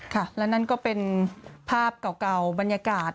ค่ะและนั่นก็เป็นภาพเก่าบรรยากาศ